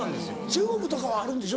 中国とかはあるんでしょ？